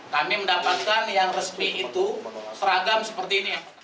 kami mendapatkan yang resmi itu seragam seperti ini